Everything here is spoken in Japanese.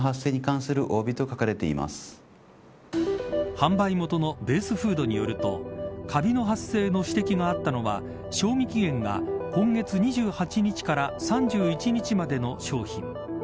販売元のベースフードによるとカビの発生の指摘があったのは賞味期限が今月２８日から３１日までの商品。